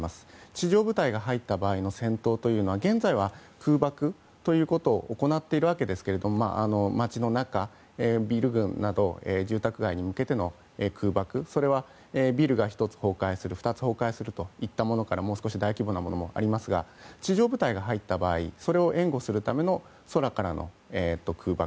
地上部隊が入った場合の戦闘というのは現在は空爆を行っているわけですが街の中、ビル群など住宅街に向けての空爆それは、ビルが１つ崩壊する２つ崩壊するといったものからもう少し大規模なものもありますが地上部隊が入った場合それを援護するための空からの空爆。